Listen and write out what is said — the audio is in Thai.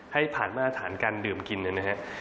ให้ผ่านมาตรฐานการดื่มกินนะครับ